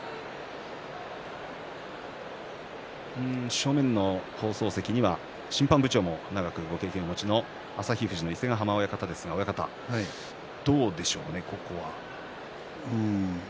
正面の放送席には審判部長も長くご経験の旭富士の伊勢ヶ濱親方ですが親方どうでしょうか。